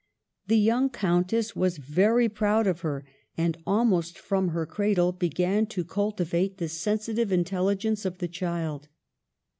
The young Countess was very proud of her and, almost from her cradle, began to cultivate the sensitive intelligence of the child.